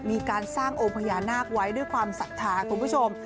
มีการสร้างองค์พญานาคไว้ด้วยความศรัทธาคุณผู้ชม